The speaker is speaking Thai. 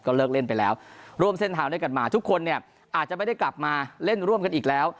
เลิกเล่นไปแล้วร่วมเส้นทางด้วยกันมาทุกคนเนี่ยอาจจะไม่ได้กลับมาเล่นร่วมกันอีกแล้ว